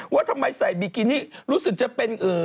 ว่าทำไมใส่บิกินี่รู้สึกจะเป็น